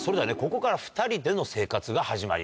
ここから２人での生活が始まります。